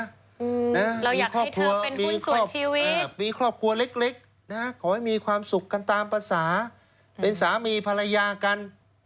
เราอยากให้เธอเป็นบุญส่วนชีวิตมีครอบครัวเล็กนะขอให้มีความสุขกันตามภาษาเป็นสามีภรรยากัน